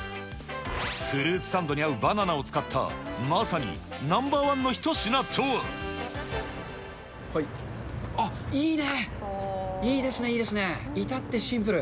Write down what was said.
フルーツサンドに合うバナナを使ったまさにナンバーワンの一品とあっ、いいね、いいですね、いいですね、いたってシンプル。